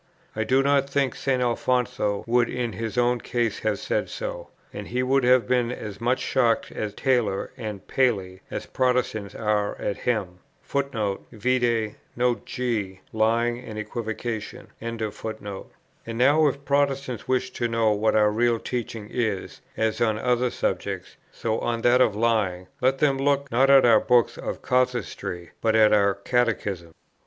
I do not think St. Alfonso would in his own case have said so; and he would have been as much shocked at Taylor and Paley, as Protestants are at him. Vide Note G, Lying and Equivocation. And now, if Protestants wish to know what our real teaching is, as on other subjects, so on that of lying, let them look, not at our books of casuistry, but at our catechisms.